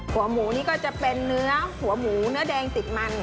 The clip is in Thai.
หัวหมูนี่ก็จะเป็นเนื้อหัวหมูเนื้อแดงติดมัน